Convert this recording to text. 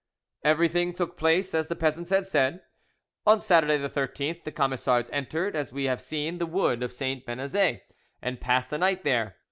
Everything took place as the peasants had said: on Saturday the 13th, the Camisards entered, as we have seen, the wood of St. Benazet, and passed the night there.